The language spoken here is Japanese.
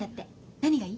何がいい？